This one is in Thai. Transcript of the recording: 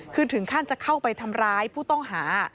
คือถึงขั้นจะเข้าไปทำร้ายผู้ต้องหา